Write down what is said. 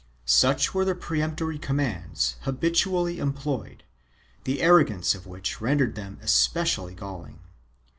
2 Such were the peremptory commands habitually employed, the arrogance of which rendered them especially galling.